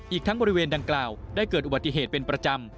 อีกทั้งบริเวณดังกล่าวได้เกิดอุบัติเหตุเป็นประจำ